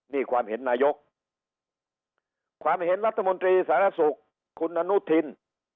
นี่ความเห็นนายกความเห็นรัฐมนตรีสารสุขคุณอนุทิน